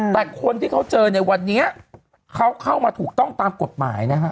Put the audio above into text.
แต่คนที่เขาเจอในวันนี้เขาเข้ามาถูกต้องตามกฎหมายนะฮะ